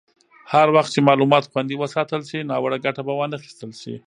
هر وخت چې معلومات خوندي وساتل شي، ناوړه ګټه به وانخیستل شي.